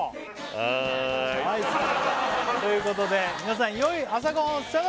はーいということで皆さんよい朝ごはんを！